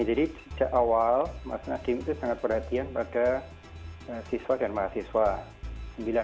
jadi sejak awal mas nakhim itu sangat perhatian bagi mahasiswa dan mahasiswa